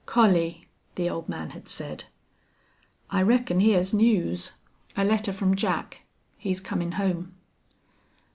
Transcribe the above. "Collie," the old man had said, "I reckon hyar's news. A letter from Jack.... He's comin' home."